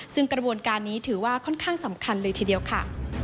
ซึ่งกระบวนการนี้ถือว่าค่อนข้างสำคัญเลยทีเดียวค่ะ